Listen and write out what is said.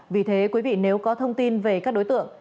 vì thế quý vị nếu có thông tin về các đối tượng